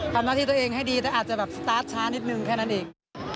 ทำหน้าที่ตัวเองให้ดีแต่อาจจะแบบสตาร์ทช้านิดนึงแค่นั้นเอง